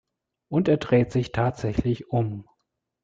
Und er dreht sich tatsächlich um.